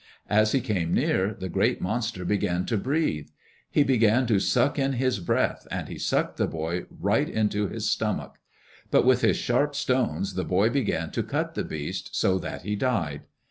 As he came near, the great monster began to breathe. He began to suck in his breath and he sucked the boy right into his stomach. But with his sharp stones the boy began to cut the beast, so that he died.